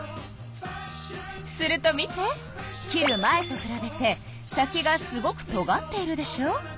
切る前とくらべて先がすごくとがっているでしょ。